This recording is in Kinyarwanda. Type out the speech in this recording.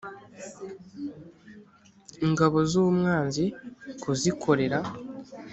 ingabo z umwanzi kuzikorera